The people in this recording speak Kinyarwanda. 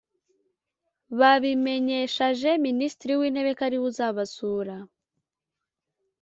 babimenyeshaje minisitiri w’intebe ko ariwe uzabasura